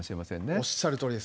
おっしゃるとおりです。